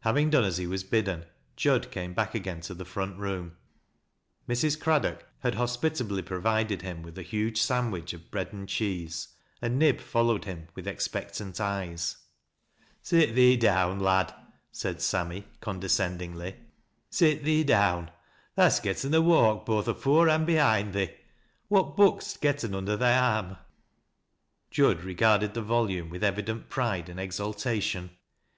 Having done as he was bidden, Jud came back again Ui the front room. Mrs. Craddock had hospitably provided him with a huge sandwich of bread and cheese, and Nib followed him with expectant eyes. «Sit thee dowa, lad," said Sammy, condescendingly 160 THAT LA88 0' LOWSIB'S. ■' Sit thee down, tha'st getten a walk both afore and behii»4 thee. What book 'st getten under thy arm 1 " Jud regarded the volume with evident pride and eial tation.